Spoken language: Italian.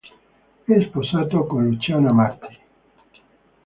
È sposato con Luciana Marti.